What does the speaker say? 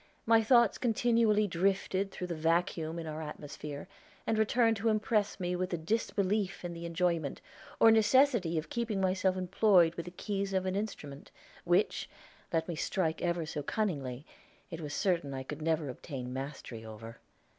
My thoughts continually drifted through the vacuum in our atmosphere, and returned to impress me with a disbelief in the enjoyment, or necessity of keeping myself employed with the keys of an instrument, which, let me strike ever so cunningly, it was certain I could never obtain mastery over.